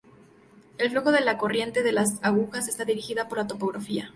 El flujo de la corriente de las Agujas está dirigida por la topografía.